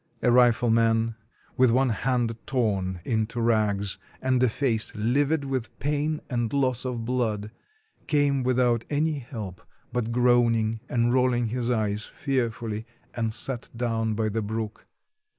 A rifleman, with one hand torn into rags, and a face livid with pain and loss of blood, came without any help, but groaning and rolling his eyes fear fully, and sat down by the brook.